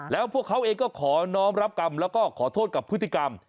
แล้วพวกเขาเองก็ขอน้องรับกรรมแล้วก็ขอโทษกับพฤติกรรม